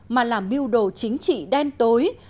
mà là mưu đồ chính trị đen tối